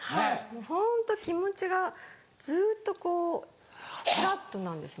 ホント気持ちがずっとこうフラットなんですね。